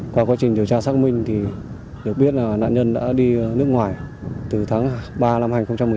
qua quá trình điều tra xác minh thì được biết là nạn nhân đã đi nước ngoài từ tháng ba năm hai nghìn một mươi chín